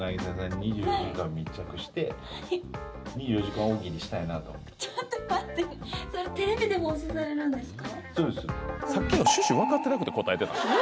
２４時間大喜利したいなとちょっと待ってそれテレビで放送されるんですか？